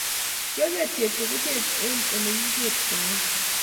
Kyaker chebkokochet eng olekikertoe.